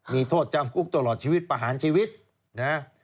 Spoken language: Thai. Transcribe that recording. มีโทษจำคุกตลอดชีวิตประหารชีวิตนะ